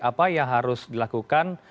apa yang harus dilakukan